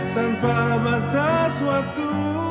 tanpa mata suatu